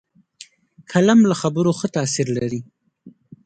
قلم له خبرو ښه تاثیر لري